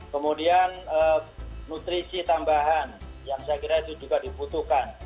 kemudian nutrisi tambahan yang saya kira itu juga dibutuhkan